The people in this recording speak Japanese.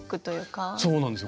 そうなんですよ